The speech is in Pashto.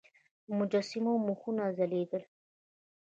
د مجسمو مخونه ځلیدل